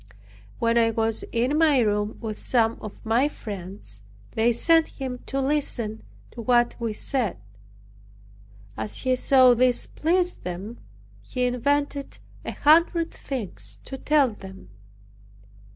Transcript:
When I was in my room with some of my friends, they sent him to listen to what we said. As he saw this pleased them, he invented a hundred things to tell them.